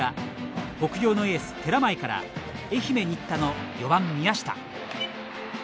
北陽のエース寺前から愛媛・新田の４番宮下。